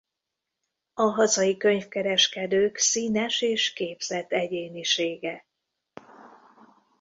A hazai könyvkereskedők színes és képzett egyénisége.